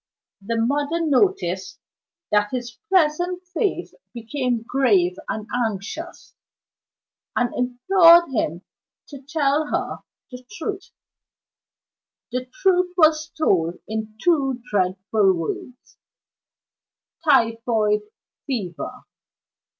The mother noticed that his pleasant face became grave and anxious, and implored him to tell her the truth. The truth was told in two dreadful words: "Typhoid Fever."